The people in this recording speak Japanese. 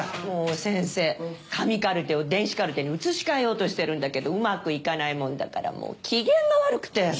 もう先生紙カルテを電子カルテに移し替えようとしてるんだけどうまくいかないもんだからもう機嫌が悪くて。